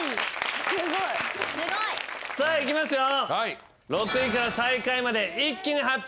さあいきますよ。